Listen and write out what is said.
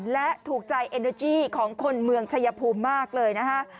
และถูกใจเอ็นโดจี้ของคนเมืองชายภูมิมากเลยนะคะ